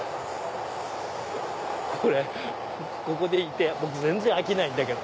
ここでいて僕全然飽きないんだけど。